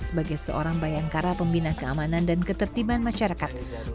sebagai seorang bayangkara pembina keamanan dan ketertiban masyarakat